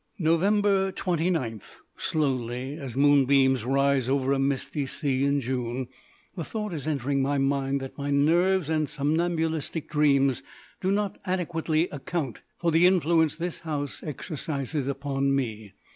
Nov. 29. Slowly, as moonbeams rise over a misty sea in June, the thought is entering my mind that my nerves and somnambulistic dreams do not adequately account for the influence this house exercises upon me.